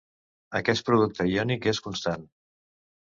Aquest producte iònic és constant.